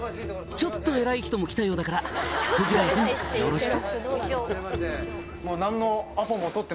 ちょっと偉い人も来たようだから藤ヶ谷君よろしく」